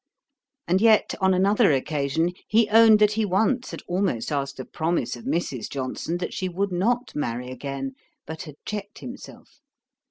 And yet, on another occasion, he owned that he once had almost asked a promise of Mrs. Johnson that she would not marry again, but had checked himself.